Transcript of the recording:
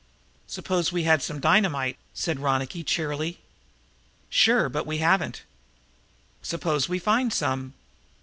"Suppose we had some dynamite," said Ronicky cheerily. "Sure, but we haven't." "Suppose we find some?"